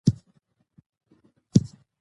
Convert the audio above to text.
ازادي راډیو د کلتور د ستونزو رېښه بیان کړې.